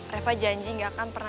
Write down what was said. reva janji gak akan pernah